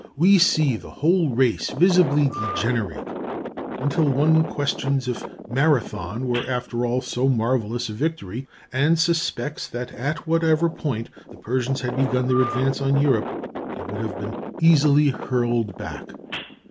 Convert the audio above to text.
We see the whole race visibly degenerate, until one questions if Marathon were after all so marvellous a victory, and suspects that at whatever point the Persians had begun their advance on Europe they would have been easily hurled back.